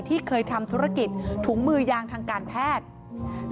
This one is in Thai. ที่เคยทำธุรกิจถุงมือยางทางการแพทย์